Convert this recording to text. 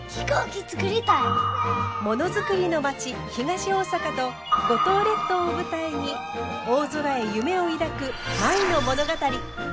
ものづくりの町東大阪と五島列島を舞台に大空へ夢を抱く舞の物語。